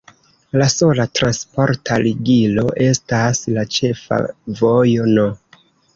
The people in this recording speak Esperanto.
La sola transporta ligilo estas la ĉefa vojo No.